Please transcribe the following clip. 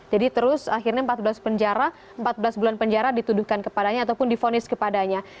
jadi terus akhirnya empat belas bulan penjara dituduhkan kepadanya ataupun difonis kepadanya